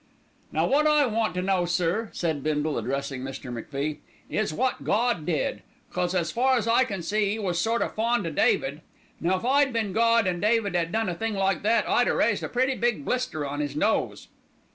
"Now wot I want to know, sir," said Bindle, addressing Mr. MacFie, "is wot Gawd did? 'Cos as far as I can see 'E was sort o' fond o' David. Now if I'd been Gawd, an' David 'ad done a thing like that, I'd 'a raised a pretty big blister on 'is nose."